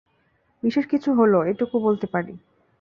বিশেষ কিছু হলো, এটুকু বলতে পারি।